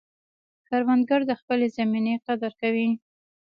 کروندګر د خپلې زمینې قدر کوي